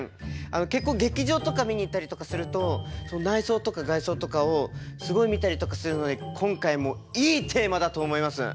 結構劇場とか見に行ったりとかすると内装とか外装とかをすごい見たりとかするので今回もいいテーマだと思います。